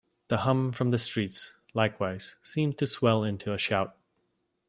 The hum from the streets, likewise, seems to swell into a shout.